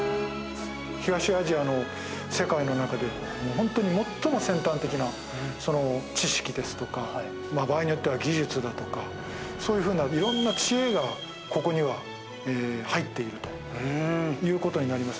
ホントに最も先端的な知識ですとか場合によっては技術だとかそういうふうな色んな知恵がここには入っているという事になります。